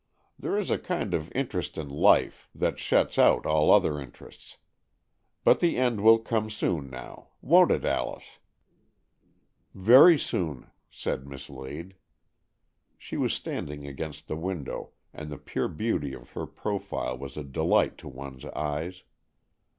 There is a kind of interest in life, that shuts out all other interests. But the end will come soon now, won't it, Alice ?" "Very soon," said Miss Lade. She was standing against the window, and the pure beauty of her profile was a delight to one's eyes.